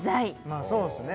まあそうっすね